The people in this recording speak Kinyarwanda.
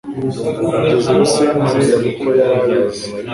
kugeza ubu sinzi uko yari abizi